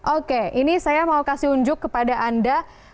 oke ini saya mau kasih unjuk kepada anda